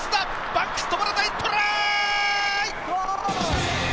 バンクス止まらないトライ！